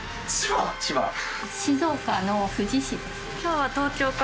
静岡の富士市です。